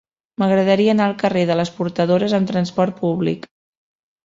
M'agradaria anar al carrer de les Portadores amb trasport públic.